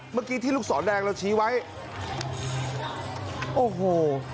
เมื่อกี้ที่ลูกศรแดงเราชี้ไว้โอ้โห